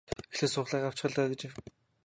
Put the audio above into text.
Эхлээд сугалаагаа авчих л даа гэжээ.